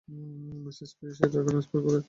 Message পেয়েই সে টাকা ট্রান্সফার করেছে।